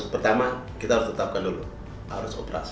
pertama kita harus tetapkan dulu harus operasi